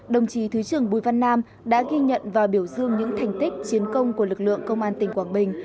đồng chí thứ trưởng bùi văn nam đã ghi nhận và biểu dương những thành tích chiến công của lực lượng công an tỉnh quảng bình